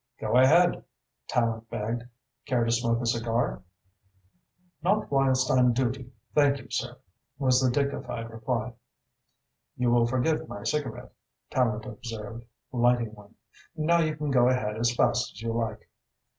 "Go ahead," Tallente begged. "Care to smoke a cigar?" "Not whilst on duty, thank you, sir," was the dignified reply. "You will forgive my cigarette," Tallente observed, lighting one. "Now you can go ahead as fast as you like."